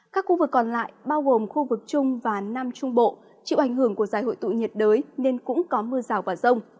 các khu vực còn lại bao gồm khu vực trung và nam trung bộ chịu ảnh hưởng của giải hội tụ nhiệt đới nên cũng có mưa rào và rông